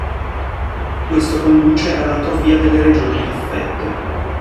Questo conduce all'atrofia delle regioni affette.